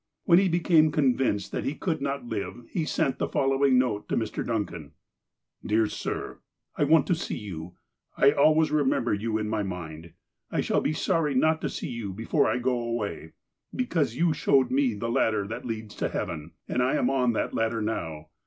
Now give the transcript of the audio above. When he became convinced that he could not live he sent the following note to Mr. Duncan :'" Dear Sir : minH 7=ruV*'' '^^^°"^^^'^^>'' remember you in my mmd. I shall be sorry not to see you before I go awav be cause you showed me the ladder that leads to heaven, and I am on that ladder now.